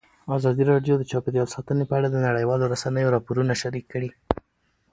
ازادي راډیو د چاپیریال ساتنه په اړه د نړیوالو رسنیو راپورونه شریک کړي.